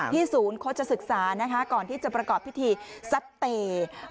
ศูนย์โฆษศึกษานะคะก่อนที่จะประกอบพิธีซัดเตย์